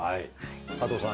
加藤さん